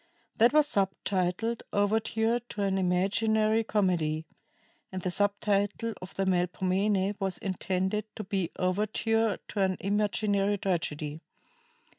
That was subtitled "Overture to an Imaginary Comedy," and the sub title of the "Melpomene" was intended to be "Overture to an Imaginary Tragedy."